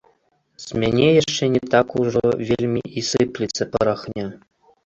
З мяне яшчэ не так ужо вельмі і сыплецца парахня.